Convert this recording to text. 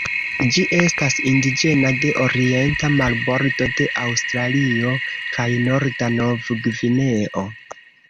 Ĝi estas indiĝena de orienta marbordo de Aŭstralio kaj norda Nov-Gvineo.